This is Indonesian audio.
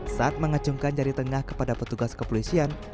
saat mengacungkan jari tengah kepada petugas kepolisian